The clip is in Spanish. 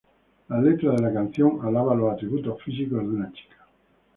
La letra de la canción alaba los atributos físicos de una chica.